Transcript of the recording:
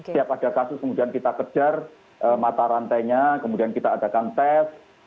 setiap ada kasus kemudian kita kejar mata rantainya kemudian kita adakan tes